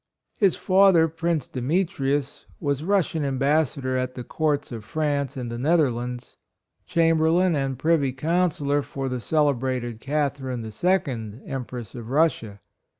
His father, Prince Demetrius, was Russian Ambassador at the Courts of France and the Netherlands, Chamberlain and Privy Counsellor for the celebrated Catharine II, Em press of Russia.